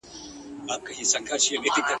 يوه ورځ سره غونډيږي ..